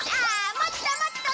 もっともっと育て！